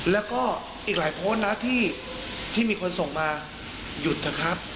แล้วก็อีกหลายโพสต์นะที่มีคนส่งมาหยุดเถอะครับ